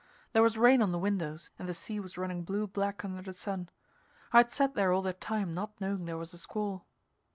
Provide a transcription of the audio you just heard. There was rain on the windows and the sea was running blue black under the sun. I'd sat there all that time not knowing there was a squall.